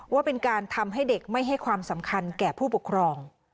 ว่าเป็นการทำให้เด็กไม่ให้ความสำคัญแก่ผู้ปกครอง